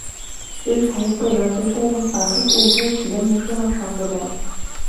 এ সাহিত্যের রচয়িতা এবং পাঠক উভয়ই ছিল মুসলমান সম্প্রদায়।